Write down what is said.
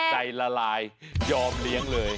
ละลายยอมเลี้ยงเลย